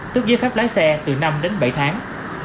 tức giấy phép lái xe từ năm bảy tháng